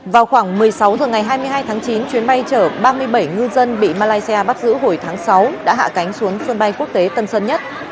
vào khoảng một mươi sáu h ngày hai mươi hai tháng chín chuyến bay chở ba mươi bảy ngư dân bị malaysia bắt giữ hồi tháng sáu đã hạ cánh xuống sân bay quốc tế tân sơn nhất